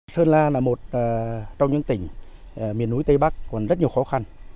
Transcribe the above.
sơn la là một trong những tỉnh miền núi tây bắc còn rất nhiều khó khăn